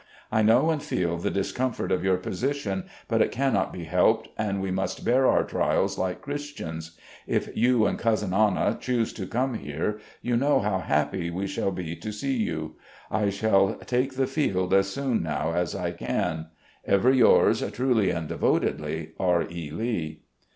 I know and feel the discomfort of your position, but it cannot be helped, and we must bear our trials like Christians. ... If you and Cousin Anna choose to come here, you know how happy we shall be to see you. I shall take the field as soon now as I can. ..." Ever yours truly and devotedly, "R. E. Lee."